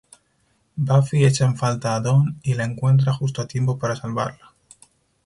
Buffy echa en falta a Dawn y la encuentra justo a tiempo para salvarla.